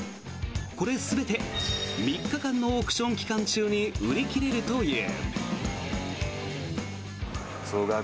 これ、全て３日間のオークション期間中に売り切れるという。